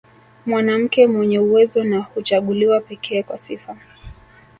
Mwanamke mwenye uwezo na huchaguliwa pekee kwa sifa